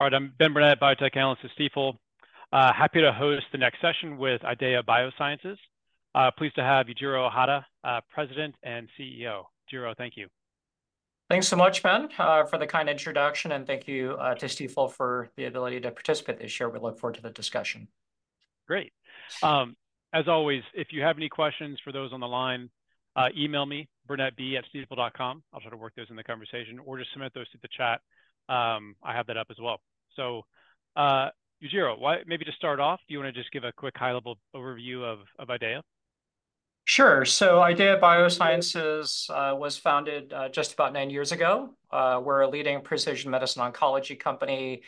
I'm Ben Burnett, biotech analyst at Stifel. Happy to host the next session with IDEAYA Biosciences. Pleased to have Yujiro Hata, President and CEO. Yujiro, thank you. Thanks so much, Ben, for the kind introduction, and thank you to Stifel for the ability to participate this year. We look forward to the discussion. Great. As always, if you have any questions for those on the line, email me, burnettb@stifel.com. I'll try to work those in the conversation, or just submit those through the chat. I have that up as well. So, Yujiro, maybe to start off, do you want to just give a quick high-level overview of IDEAYA? Sure. So IDEAYA Biosciences was founded just about nine years ago. We're a leading precision medicine oncology company.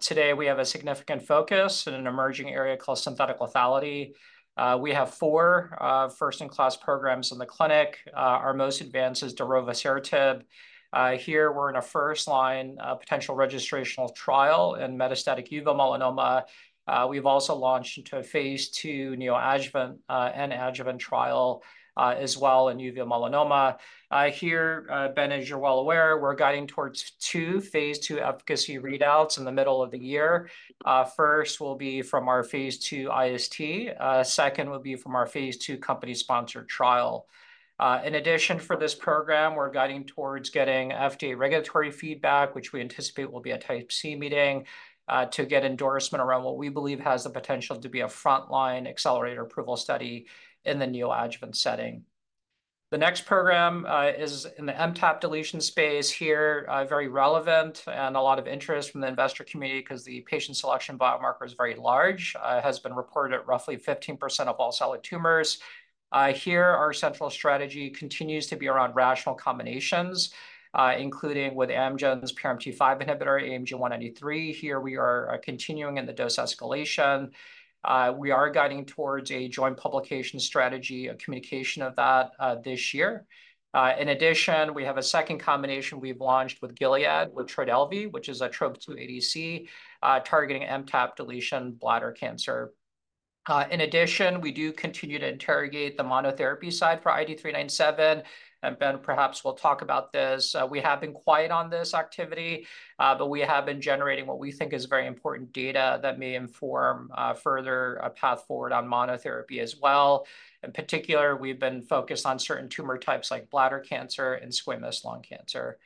Today we have a significant focus in an emerging area called synthetic lethality. We have four first-in-class programs in the clinic. Our most advanced is darovasertib. Here we're in a first-line potential registrational trial in metastatic uveal melanoma. We've also launched into a phase II neoadjuvant and adjuvant trial as well in uveal melanoma. Here, Ben, as you're well aware, we're guiding towards two phase II efficacy readouts in the middle of the year. First will be from our phase II IST. Second will be from our phase II company-sponsored trial. In addition, for this program, we're guiding towards getting FDA regulatory feedback, which we anticipate will be a Type C meeting, to get endorsement around what we believe has the potential to be a frontline accelerated approval study in the neoadjuvant setting. The next program is in the MTAP deletion space here, very relevant and a lot of interest from the investor community 'cause the patient selection biomarker is very large, has been reported at roughly 15% of all solid tumors. Here, our central strategy continues to be around rational combinations, including with Amgen's PRMT5 inhibitor, AMG 193. Here we are continuing in the dose escalation. We are guiding towards a joint publication strategy, a communication of that, this year. In addition, we have a second combination we've launched with Gilead, with Trodelvy, which is a Trop-2 ADC, targeting MTAP deletion bladder cancer. In addition, we do continue to interrogate the monotherapy side for IDE397, and Ben, perhaps, will talk about this. We have been quiet on this activity, but we have been generating what we think is very important data that may inform further a path forward on monotherapy as well. In particular, we've been focused on certain tumor types like bladder cancer and squamous lung cancer.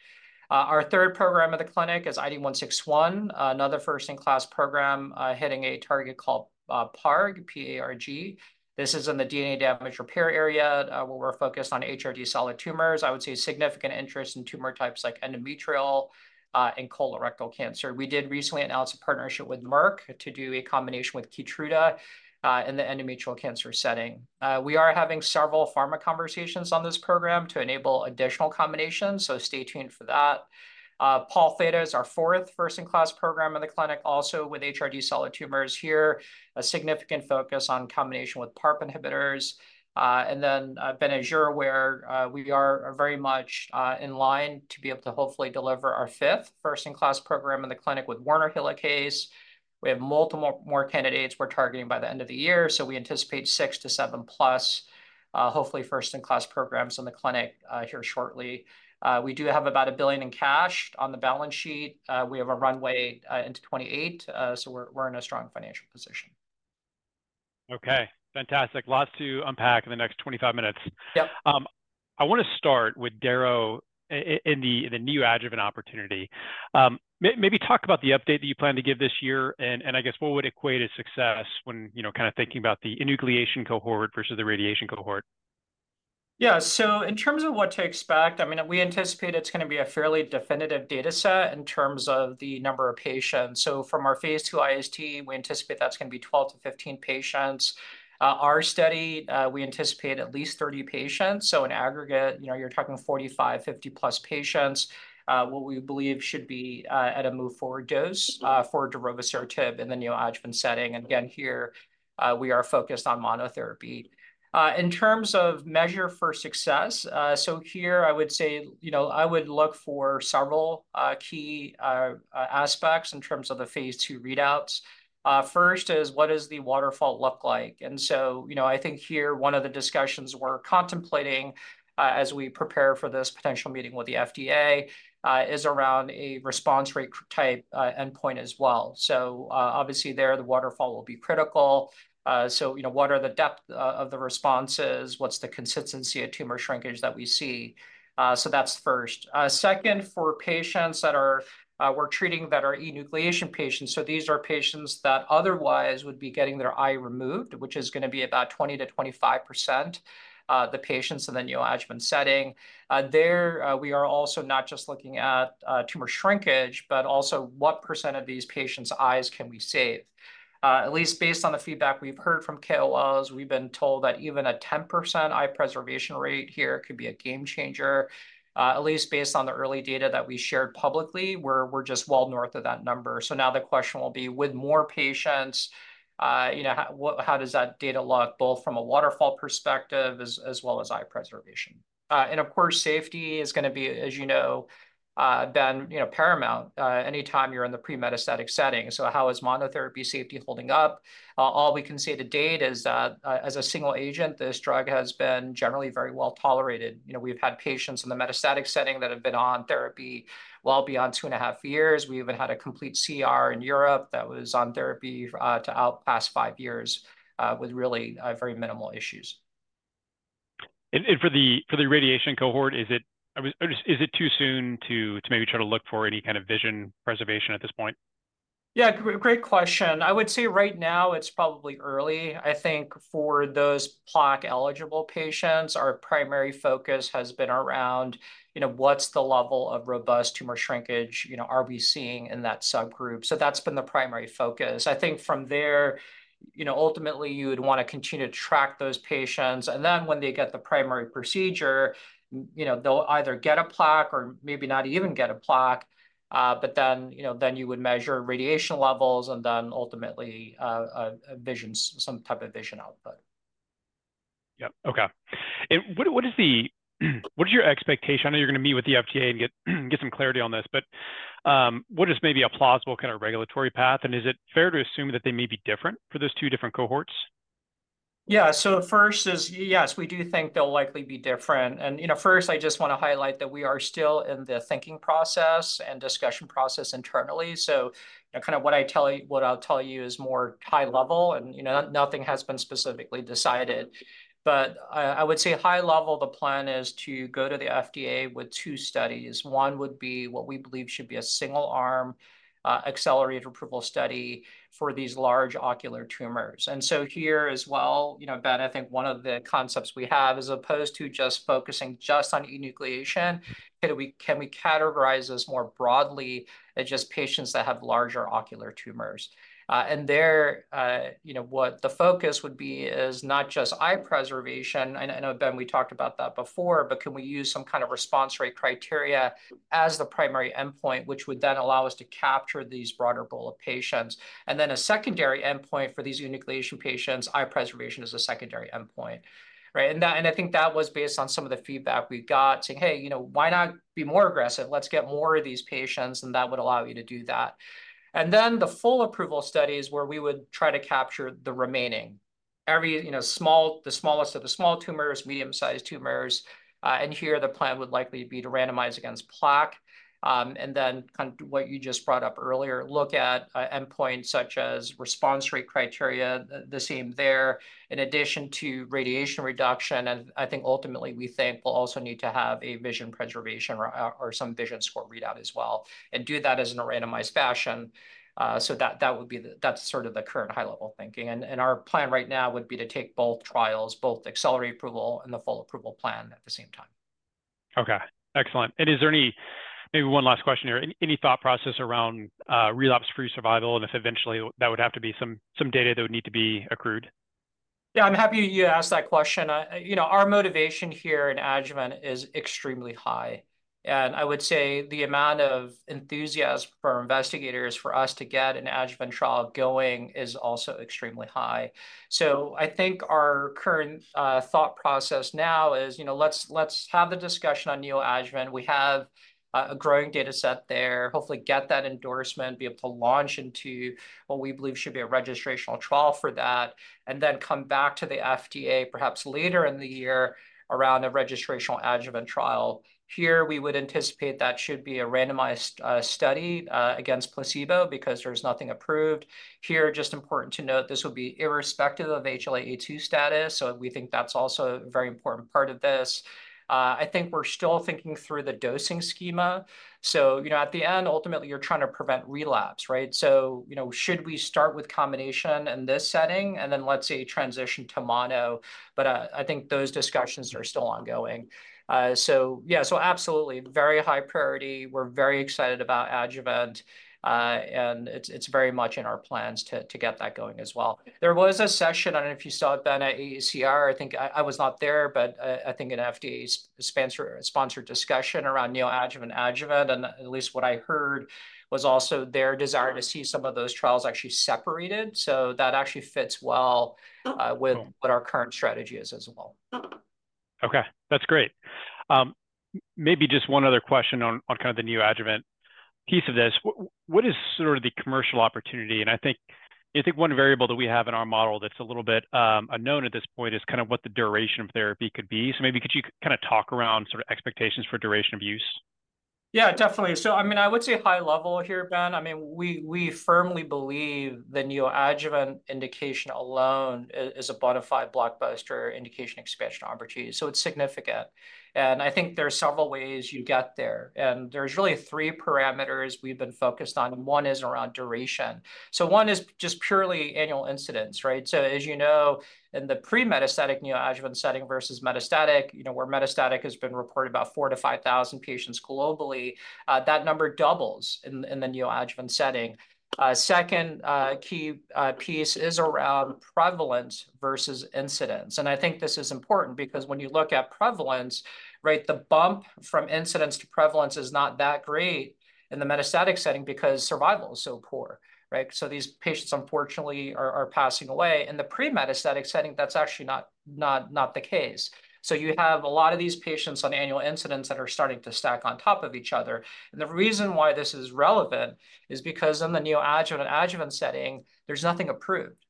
Our third program in the clinic is IDE161, another first-in-class program, hitting a target called PARG, P-A-R-G. This is in the DNA damage repair area, where we're focused on HRD solid tumors. I would say significant interest in tumor types like endometrial and colorectal cancer. We did recently announce a partnership with Merck to do a combination with KEYTRUDA in the endometrial cancer setting. We are having several pharma conversations on this program to enable additional combinations, so stay tuned for that. Pol Theta is our fourth first-in-class program in the clinic, also with HRD solid tumors here. A significant focus on combination with PARP inhibitors. And then, Ben, as you're aware, we are very much in line to be able to hopefully deliver our fifth first-in-class program in the clinic with Werner helicase. We have multiple more candidates we're targeting by the end of the year, so we anticipate 6-7+, hopefully, first-in-class programs in the clinic here shortly. We do have about $1 billion in cash on the balance sheet. We have a runway into 2028, so we're in a strong financial position. Okay, fantastic. Lots to unpack in the next 25 minutes. Yep. I want to start with darovasertib in the neoadjuvant opportunity. Maybe talk about the update that you plan to give this year, and I guess what would equate as success when, you know, kind of thinking about the enucleation cohort versus the radiation cohort? Yeah. So in terms of what to expect, I mean, we anticipate it's going to be a fairly definitive data set in terms of the number of patients. So from our Phase II IST, we anticipate that's going to be 12-15 patients. Our study, we anticipate at least 30 patients. So in aggregate, you know, you're talking 45, 50+ patients, what we believe should be, at a move forward dose, for darovasertib in the neoadjuvant setting. And again, here, we are focused on monotherapy. In terms of measure for success, so here I would say, you know, I would look for several, key, aspects in terms of the Phase II readouts. First is, what does the waterfall look like? You know, I think here, one of the discussions we're contemplating as we prepare for this potential meeting with the FDA is around a response rate type endpoint as well. Obviously there, the waterfall will be critical. You know, what are the depth of the responses? What's the consistency of tumor shrinkage that we see? That's first. Second, for patients that we're treating that are enucleation patients, so these are patients that otherwise would be getting their eye removed, which is going to be about 20%-25% the patients in the neoadjuvant setting. There, we are also not just looking at tumor shrinkage, but also what percent of these patients' eyes can we save? At least based on the feedback we've heard from KOLs, we've been told that even a 10% eye preservation rate here could be a game changer. At least based on the early data that we shared publicly, we're just well north of that number. So now the question will be, with more patients, you know, how does that data look, both from a waterfall perspective as well as eye preservation? And of course, safety is going to be, as you know, Ben, you know, paramount anytime you're in the pre-metastatic setting. So how is monotherapy safety holding up? All we can say to date is that, as a single agent, this drug has been generally very well-tolerated. You know, we've had patients in the metastatic setting that have been on therapy well beyond two and a half years. We even had a complete CR in Europe that was on therapy, to out past five years, with really, very minimal issues. For the radiation cohort, is it, I mean, or is it too soon to maybe try to look for any kind of vision preservation at this point? Yeah, great question. I would say right now, it's probably early. I think for those plaque-eligible patients, our primary focus has been around, you know, what's the level of robust tumor shrinkage, you know, are we seeing in that subgroup? So that's been the primary focus. I think from there, you know, ultimately, you would want to continue to track those patients, and then when they get the primary procedure, you know, they'll either get a plaque or maybe not even get a plaque. But then, you know, then you would measure radiation levels, and then ultimately, vision, some type of vision output. Yeah. Okay. What is your expectation? I know you're going to meet with the FDA and get some clarity on this, but what is maybe a plausible kind of regulatory path? And is it fair to assume that they may be different for those two different cohorts? Yeah. So first is, yes, we do think they'll likely be different. And, you know, first, I just want to highlight that we are still in the thinking process and discussion process internally. So, you know, kind of what I tell you, what I'll tell you is more high level, and, you know, nothing has been specifically decided. But, I would say high level, the plan is to go to the FDA with two studies. One would be what we believe should be a single-arm, accelerated approval study for these large ocular tumors. And so here as well, you know, Ben, I think one of the concepts we have, as opposed to just focusing just on enucleation, can we, can we categorize this more broadly than just patients that have larger ocular tumors? And there, you know, what the focus would be is not just eye preservation. I know, Ben, we talked about that before, but can we use some kind of response rate criteria as the primary endpoint, which would then allow us to capture these broader goal of patients? And then a secondary endpoint for these enucleation patients, eye preservation is a secondary endpoint, right? And I think that was based on some of the feedback we got, saying: "Hey, you know, why not be more aggressive? Let's get more of these patients, and that would allow you to do that." And then the full approval studies, where we would try to capture the remaining, every, you know, small, the smallest of the small tumors, medium-sized tumors. And here, the plan would likely be to randomize against plaque. And then kind of what you just brought up earlier, look at endpoints such as response rate criteria, the same there, in addition to radiation reduction. And I think ultimately, we think we'll also need to have a vision preservation or some vision score readout as well, and do that as in a randomized fashion. So that would be the. That's sort of the current high-level thinking. And our plan right now would be to take both trials, both accelerated approval and the full approval plan at the same time. Okay, excellent. Is there any... Maybe one last question here, any thought process around relapse-free survival, and if eventually that would have to be some data that would need to be accrued? Yeah, I'm happy you asked that question. You know, our motivation here in adjuvant is extremely high, and I would say the amount of enthusiasm for our investigators for us to get an adjuvant trial going is also extremely high. So I think our current thought process now is, you know, let's have the discussion on neoadjuvant. We have a growing dataset there. Hopefully get that endorsement, be able to launch into what we believe should be a registrational trial for that, and then come back to the FDA, perhaps later in the year, around a registrational adjuvant trial. Here, we would anticipate that should be a randomized study against placebo because there's nothing approved. Here, just important to note, this would be irrespective of HLA-A2 status, so we think that's also a very important part of this. I think we're still thinking through the dosing schema. So, you know, at the end, ultimately, you're trying to prevent relapse, right? So, you know, should we start with combination in this setting, and then, let's say, transition to mono? But, I think those discussions are still ongoing. So yeah, so absolutely, very high priority. We're very excited about adjuvant, and it's very much in our plans to get that going as well. There was a session, I don't know if you saw it then, at AACR. I think I was not there, but, I think an FDA-sponsored discussion around neoadjuvant adjuvant, and at least what I heard, was also their desire to see some of those trials actually separated. So that actually fits well. Mm-hmm... with what our current strategy is as well. Okay, that's great. Maybe just one other question on kind of the neoadjuvant piece of this. What is sort of the commercial opportunity? And I think one variable that we have in our model that's a little bit unknown at this point is kind of what the duration of therapy could be. So maybe could you kind of talk around sort of expectations for duration of use? Yeah, definitely. So I mean, I would say high level here, Ben, I mean, we firmly believe the neoadjuvant indication alone is a bona fide blockbuster indication expansion opportunity, so it's significant. And I think there are several ways you get there, and there's really three parameters we've been focused on, and one is around duration. So one is just purely annual incidence, right? So as you know, in the pre-metastatic neoadjuvant setting versus metastatic, you know, where metastatic has been reported about four to five thousand patients globally, that number doubles in the neoadjuvant setting. Second, key piece is around prevalence versus incidence. And I think this is important because when you look at prevalence, right, the bump from incidence to prevalence is not that great in the metastatic setting because survival is so poor, right? So these patients, unfortunately, are passing away. In the pre-metastatic setting, that's actually not the case. So you have a lot of these patients on annual incidences that are starting to stack on top of each other. And the reason why this is relevant is because in the neoadjuvant and adjuvant setting, there's nothing approved....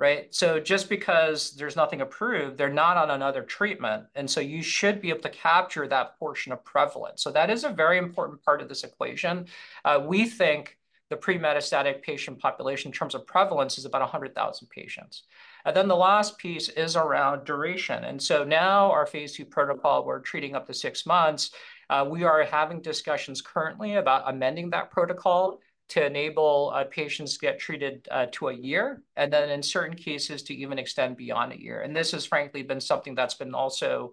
Right? So just because there's nothing approved, they're not on another treatment, and so you should be able to capture that portion of prevalence. So that is a very important part of this equation. We think the pre-metastatic patient population, in terms of prevalence, is about 100,000 patients. And then the last piece is around duration. And so now our phase II protocol, we're treating up to six months. We are having discussions currently about amending that protocol to enable patients to get treated to a year, and then in certain cases, to even extend beyond a year. And this has frankly been something that's been also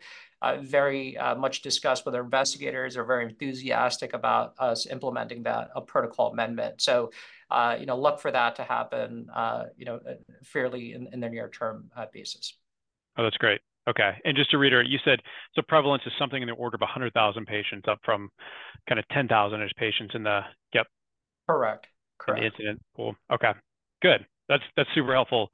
very much discussed with our investigators. They're very enthusiastic about us implementing that, a protocol amendment. So, you know, look for that to happen, you know, fairly in the near-term basis. Oh, that's great. Okay, and just to reiterate, you said the prevalence is something in the order of 100,000 patients, up from kind of 10,000-ish patients in the... Yep. Correct, correct. Excellent. Cool. Okay, good. That's, that's super helpful.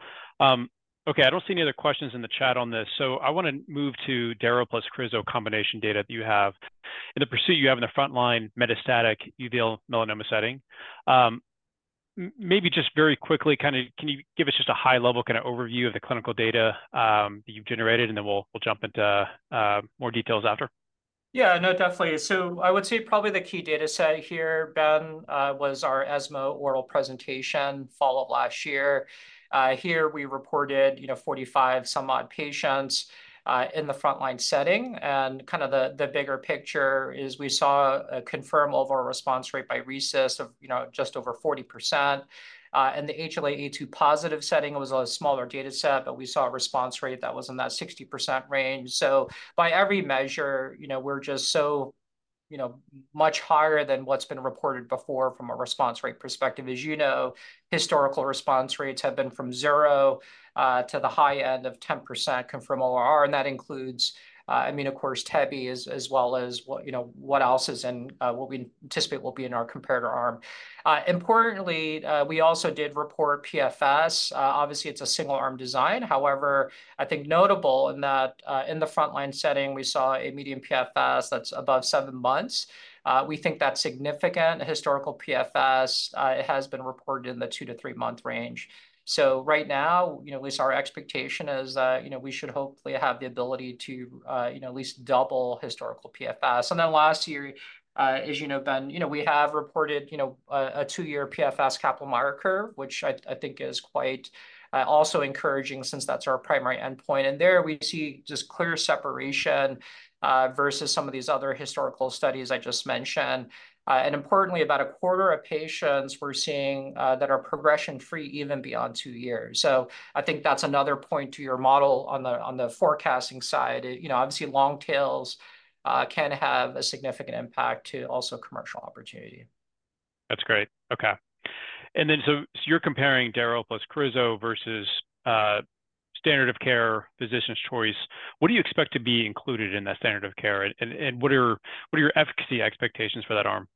Okay, I don't see any other questions in the chat on this, so I want to move to darovasertib plus crizotinib combination data that you have [audio destortion] you have in the frontline metastatic uveal melanoma setting. Maybe just very quickly, kind of, can you give us just a high-level kind of overview of the clinical data that you've generated? And then we'll, we'll jump into more details after. Yeah. No, definitely. So I would say probably the key data set here, Ben, was our ESMO oral presentation, fall of last year. Here, we reported, you know, 45-some odd patients in the frontline setting. And kind of the bigger picture is we saw a confirmed overall response rate by RECIST of, you know, just over 40%. And the HLA-A2 positive setting was a smaller data set, but we saw a response rate that was in that 60% range. So by every measure, you know, we're just so, you know, much higher than what's been reported before from a response rate perspective. As you know, historical response rates have been from zero to the high end of 10% confirmed ORR, and that includes, I mean, of course, Tebi as well as what, you know, what else is in what we anticipate will be in our comparator arm. Importantly, we also did report PFS. Obviously, it's a single-arm design. However, I think notable in that, in the frontline setting, we saw a median PFS that's above seven months. We think that's significant. Historical PFS, it has been reported in the two to three month range. So right now, you know, at least our expectation is that, you know, we should hopefully have the ability to, you know, at least double historical PFS. Then last year, as you know, Ben, you know, we have reported, you know, a two year PFS Kaplan-Meier, which I think is quite also encouraging since that's our primary endpoint. And there we see just clear separation versus some of these other historical studies I just mentioned. And importantly, about a quarter of patients we're seeing that are progression-free even beyond two years. So I think that's another point to your model on the forecasting side. You know, obviously, long tails can have a significant impact to also commercial opportunity. That's great. Okay. And then, so you're comparing darovasertib plus crizotinib versus standard of care, physician's choice. What do you expect to be included in that standard of care? And what are your efficacy expectations for that arm?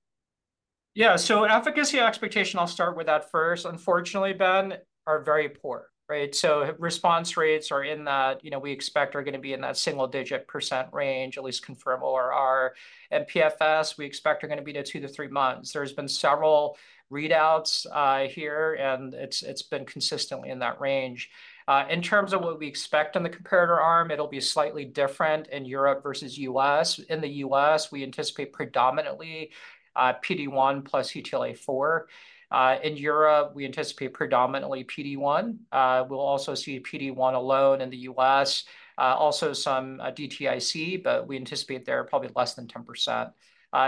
Yeah. So efficacy expectation, I'll start with that first. Unfortunately, Ben, are very poor, right? So response rates are in that, you know, we expect are going to be in that single-digit % range, at least confirm ORR. And PFS, we expect are going to be two to three months. There's been several readouts here, and it's been consistently in that range. In terms of what we expect in the comparator arm, it'll be slightly different in Europe versus U.S. In the U.S., we anticipate predominantly PD-1 plus CTLA-4. In Europe, we anticipate predominantly PD-1. We'll also see PD-1 alone in the U.S., also some DTIC, but we anticipate they're probably less than 10%.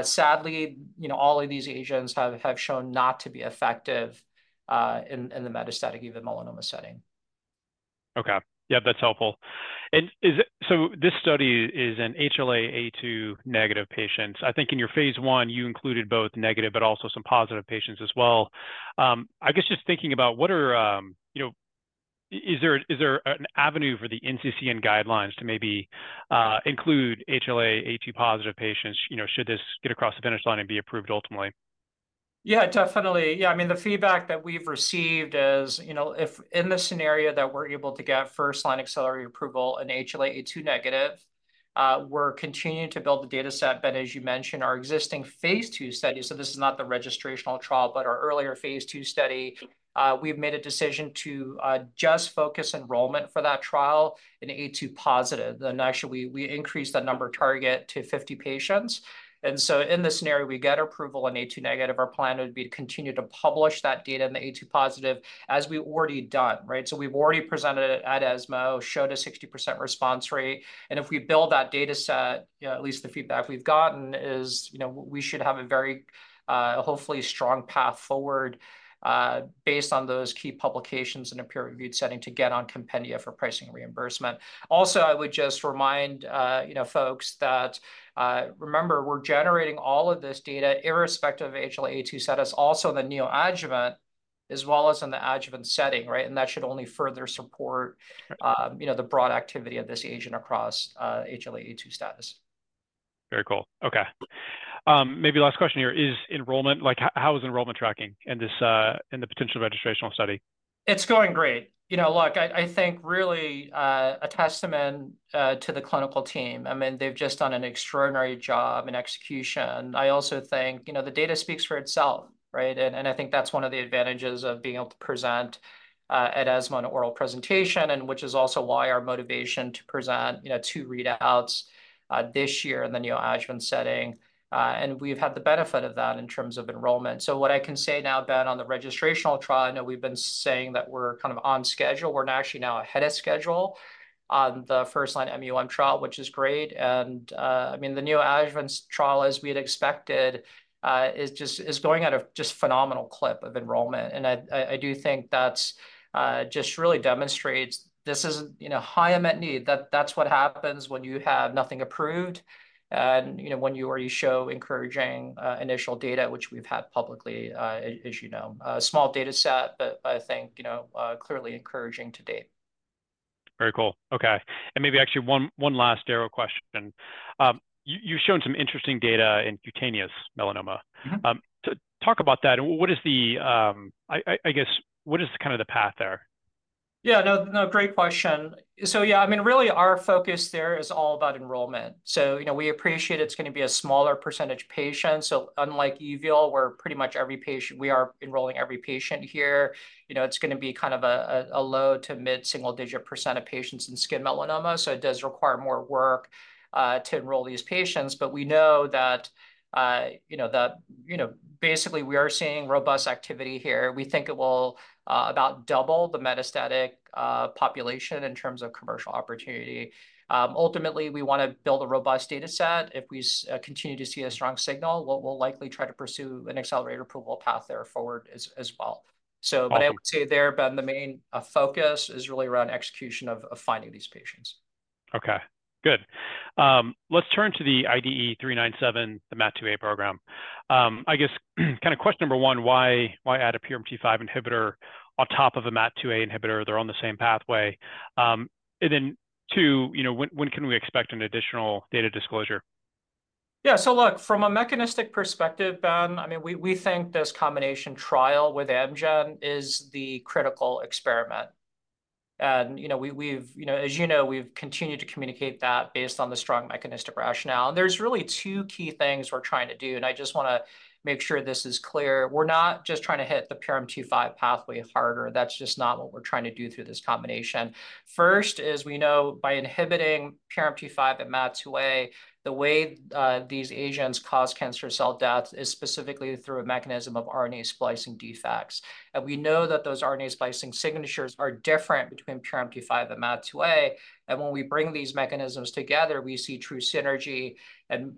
Sadly, you know, all of these agents have shown not to be effective in the metastatic uveal melanoma setting. Okay. Yeah, that's helpful. So this study is in HLA-A2 negative patients. I think in your phase I, you included both negative but also some positive patients as well. I guess just thinking about, you know, is there an avenue for the NCCN guidelines to maybe include HLA-A2 positive patients, you know, should this get across the finish line and be approved ultimately? Yeah, definitely. Yeah, I mean, the feedback that we've received is, you know, if in the scenario that we're able to get first-line accelerated approval in HLA-A2 negative, we're continuing to build the dataset. But as you mentioned, our existing phase II study, so this is not the registrational trial, but our earlier phase II study, we've made a decision to just focus enrollment for that trial in A2 positive. And actually, we increased that number target to 50 patients. And so in this scenario, we get approval in A2 negative, our plan would be to continue to publish that data in the A2 positive, as we've already done, right? So we've already presented it at ESMO, showed a 60% response rate. And if we build that data set, you know, at least the feedback we've gotten is, you know, we should have a very, hopefully strong path forward, based on those key publications in a peer-reviewed setting to get on compendia for pricing reimbursement. Also, I would just remind, you know, folks that, remember, we're generating all of this data, irrespective of HLA-A2 status, also in the neoadjuvant, as well as in the adjuvant setting, right? And that should only further support, you know, the broad activity of this agent across, HLA-A2 status.... Very cool. Okay, maybe last question here. Is enrollment, like, how is enrollment tracking in this, in the potential registrational study? It's going great. You know, look, I, I think really a testament to the clinical team. I mean, they've just done an extraordinary job in execution. I also think, you know, the data speaks for itself, right? And I think that's one of the advantages of being able to present at ESMO an oral presentation, and which is also why our motivation to present, you know, two readouts this year in the neoadjuvant setting. And we've had the benefit of that in terms of enrollment. So what I can say now, Ben, on the registrational trial, I know we've been saying that we're kind of on schedule. We're actually now ahead of schedule on the first-line MUM trial, which is great. And, I mean, the neoadjuvant trial, as we had expected, is going at a just phenomenal clip of enrollment. And I do think that's just really demonstrates this is, you know, high unmet need. That's what happens when you have nothing approved, and, you know, when you already show encouraging initial data, which we've had publicly, as you know. Small data set, but I think, you know, clearly encouraging to date. Very cool. Okay, and maybe actually one last darovasertib question. You've shown some interesting data in cutaneous melanoma. Mm-hmm. So talk about that, and what is, I guess, the kind of the path there? Yeah, no, no, great question. So yeah, I mean, really our focus there is all about enrollment. So, you know, we appreciate it's going to be a smaller percentage patient. So unlike uveal, where pretty much every patient-- we are enrolling every patient here, you know, it's going to be kind of a low- to mid-single-digit % of patients in skin melanoma. So it does require more work to enroll these patients. But we know that, you know, basically, we are seeing robust activity here. We think it will about double the metastatic population in terms of commercial opportunity. Ultimately, we want to build a robust data set. If we continue to see a strong signal, we'll likely try to pursue an accelerated approval path going forward as well. Okay. But I would say there, Ben, the main focus is really around execution of finding these patients. Okay, good. Let's turn to the IDE397, the MAT2A program. I guess, kind of question number one, why, why add a PRMT5 inhibitor on top of a MAT2A inhibitor? They're on the same pathway. And then, two, you know, when, when can we expect an additional data disclosure? Yeah. So look, from a mechanistic perspective, Ben, I mean, we think this combination trial with Amgen is the critical experiment. And, you know, as you know, we've continued to communicate that based on the strong mechanistic rationale. And there's really two key things we're trying to do, and I just want to make sure this is clear. We're not just trying to hit the PRMT5 pathway harder. That's just not what we're trying to do through this combination. First, is we know by inhibiting PRMT5 and MAT2A, the way these agents cause cancer cell death is specifically through a mechanism of RNA splicing defects. We know that those RNA splicing signatures are different between PRMT5 and MAT2A, and when we bring these mechanisms together, we see true synergy, and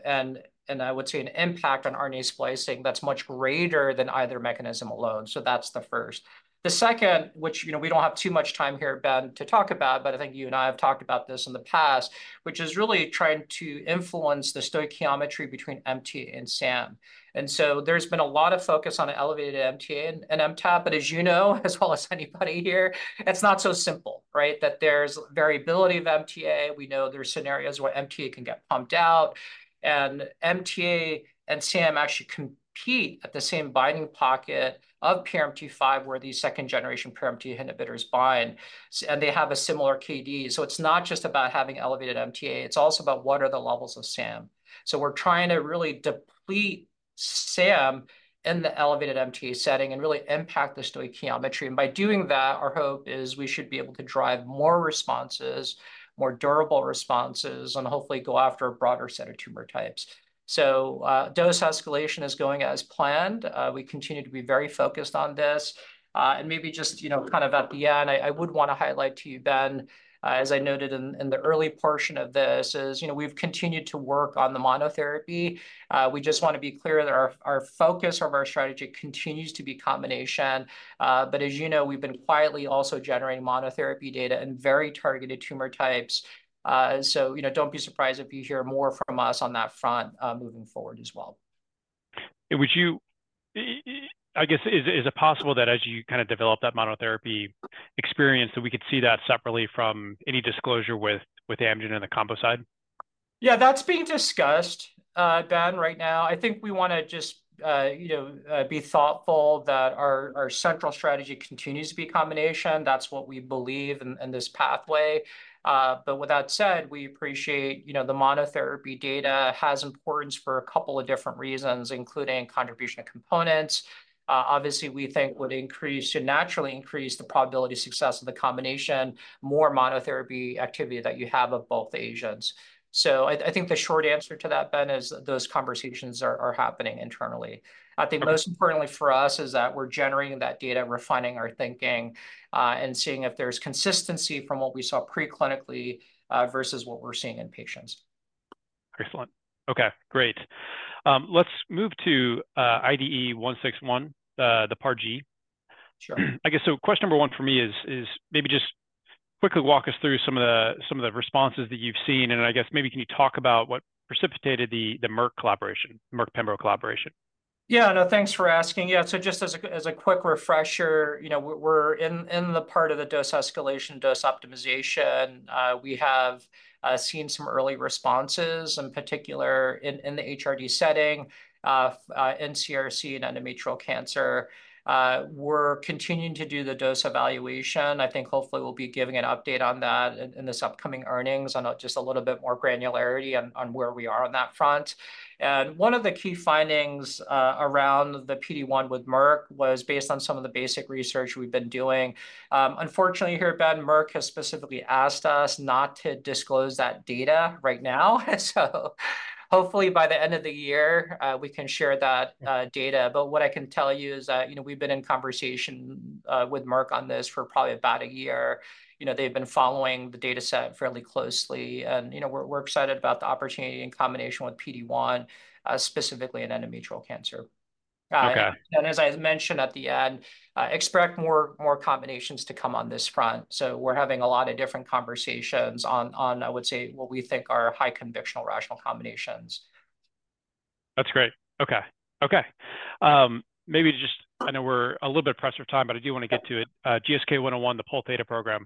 I would say an impact on RNA splicing that's much greater than either mechanism alone. So that's the first. The second, which, you know, we don't have too much time here, Ben, to talk about, but I think you and I have talked about this in the past, which is really trying to influence the stoichiometry between MTA and SAM. And so there's been a lot of focus on elevated MTA and MTA, but as you know, as well as anybody here, it's not so simple, right? That there's variability of MTA. We know there are scenarios where MTA can get pumped out, and MTA and SAM actually compete at the same binding pocket of PRMT5, where these second-generation PRMT inhibitors bind, and they have a similar KD. So it's not just about having elevated MTA, it's also about what are the levels of SAM. So we're trying to really deplete SAM in the elevated MTA setting and really impact the stoichiometry. And by doing that, our hope is we should be able to drive more responses, more durable responses, and hopefully go after a broader set of tumor types. So, dose escalation is going as planned. We continue to be very focused on this. And maybe just, you know, kind of at the end, I would want to highlight to you, Ben, as I noted in the early portion of this, you know, we've continued to work on the monotherapy. We just want to be clear that our focus of our strategy continues to be combination. But as you know, we've been quietly also generating monotherapy data in very targeted tumor types. So, you know, don't be surprised if you hear more from us on that front, moving forward as well. Would you... I guess, is it possible that as you kind of develop that monotherapy experience, that we could see that separately from any disclosure with Amgen and the combo side? Yeah, that's being discussed, Ben, right now. I think we want to just, you know, be thoughtful that our, our central strategy continues to be combination. That's what we believe in, in this pathway. But with that said, we appreciate, you know, the monotherapy data has importance for a couple of different reasons, including contribution of components. Obviously, we think would increase, should naturally increase the probability of success of the combination, more monotherapy activity that you have of both agents. So I, I think the short answer to that, Ben, is those conversations are, are happening internally. Okay. I think most importantly for us, is that we're generating that data and refining our thinking, and seeing if there's consistency from what we saw pre-clinically, versus what we're seeing in patients. Excellent. Okay, great. Let's move to IDE161, the PARG. Sure. I guess, so question number one for me is, is maybe just quickly walk us through some of the, some of the responses that you've seen, and I guess maybe can you talk about what precipitated the, the Merck collaboration, Merck/pembrolizumab collaboration?... Yeah, no, thanks for asking. Yeah, so just as a quick refresher, you know, we're in the part of the dose escalation, dose optimization. We have seen some early responses, in particular, in the HRD setting, in CRC and endometrial cancer. We're continuing to do the dose evaluation. I think hopefully we'll be giving an update on that in this upcoming earnings on just a little bit more granularity on where we are on that front. And one of the key findings around the PD-1 with Merck was based on some of the basic research we've been doing. Unfortunately, here, Ben, Merck has specifically asked us not to disclose that data right now. So hopefully, by the end of the year, we can share that data. But what I can tell you is that, you know, we've been in conversation with Merck on this for probably about a year. You know, they've been following the data set fairly closely, and, you know, we're excited about the opportunity in combination with PD-1, specifically in endometrial cancer. Okay. And as I mentioned at the end, expect more combinations to come on this front. So we're having a lot of different conversations on, I would say, what we think are high-conviction rational combinations. That's great. Okay. Okay. Maybe just... I know we're a little bit pressed for time, but I do want to get to it. GSK101, the Pol Theta program.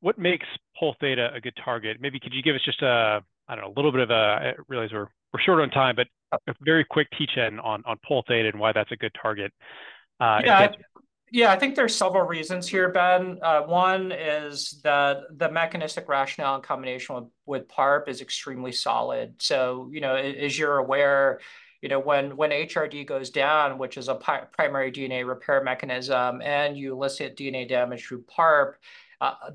What makes Pol Theta a good target? Maybe could you give us just a, I don't know, a little bit of a-- I realize we're short on time, but a very quick teach-in on Pol Theta and why that's a good target, if you- Yeah. Yeah, I think there are several reasons here, Ben. One is that the mechanistic rationale in combination with, with PARP is extremely solid. So, you know, as, as you're aware, you know, when, when HRD goes down, which is a primary DNA repair mechanism, and you elicit DNA damage through PARP,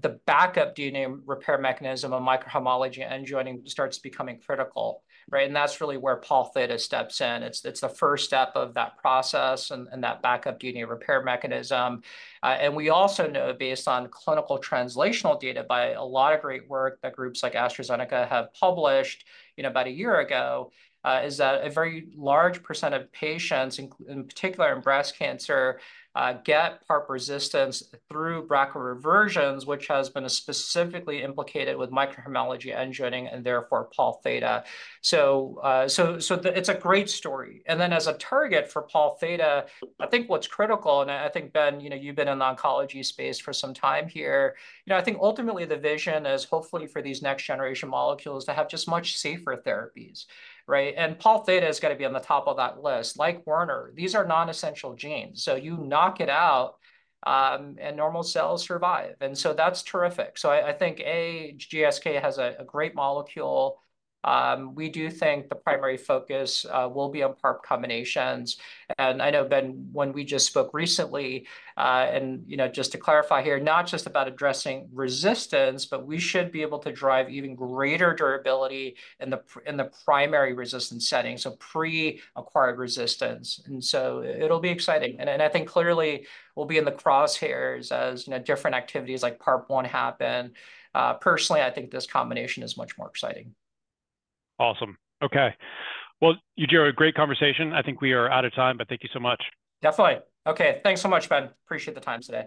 the backup DNA repair mechanism of microhomology-mediated end joining starts becoming critical, right? And that's really where Pol Theta steps in. It's, it's the first step of that process and, and that backup DNA repair mechanism. And we also know, based on clinical translational data by a lot of great work that groups like AstraZeneca have published, you know, about a year ago, is that a very large percent of patients, in particular in breast cancer, get PARP resistance through BRCA reversions, which has been specifically implicated with microhomology end joining, and therefore, Pol Theta. So, it's a great story. And then, as a target for Pol Theta, I think what's critical, and I think, Ben, you know, you've been in the oncology space for some time here, you know, I think ultimately the vision is hopefully for these next-generation molecules to have just much safer therapies, right? And Pol Theta has got to be on the top of that list. Like Werner, these are non-essential genes, so you knock it out, and normal cells survive, and so that's terrific. So I think, GSK has a great molecule. We do think the primary focus will be on PARP combinations. And I know, Ben, when we just spoke recently, and, you know, just to clarify here, not just about addressing resistance, but we should be able to drive even greater durability in the pr- in the primary resistance setting, so pre-acquired resistance. And so it'll be exciting. And I think clearly we'll be in the crosshairs as, you know, different activities like PARP-1 happen. Personally, I think this combination is much more exciting. Awesome. Okay. Well, Yujiro, a great conversation. I think we are out of time, but thank you so much. Definitely. Okay, thanks so much, Ben. Appreciate the time today.